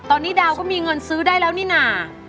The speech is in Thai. ตอนนี้ดาวก็มีเงินซื้อได้แล้วนี่น่ะ